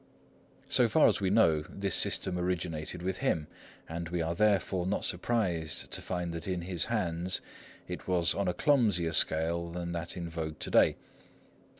So far as we know, this system originated with him; and we are therefore not surprised to find that in his hands it was on a clumsier scale than that in vogue to day.